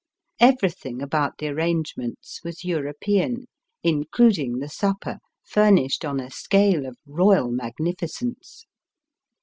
Everything about the arrangements was European, in cluding the supper, furnished on a scale of Eoyal magnificence.